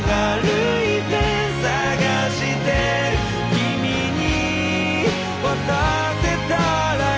「君に渡せたらいい」